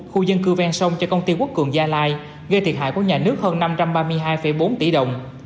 khu dân cư ven sông cho công ty quốc cường gia lai gây thiệt hại của nhà nước hơn năm trăm ba mươi hai bốn tỷ đồng